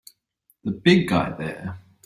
The big guy there!